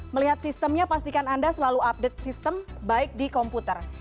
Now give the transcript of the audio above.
melihat sistemnya pastikan anda selalu update sistem baik di komputer